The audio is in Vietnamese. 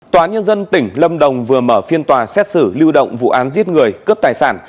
tòa nhân dân tỉnh lâm đồng vừa mở phiên tòa xét xử lưu động vụ án giết người cướp tài sản